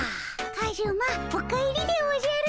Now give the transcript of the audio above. カズマお帰りでおじゃる。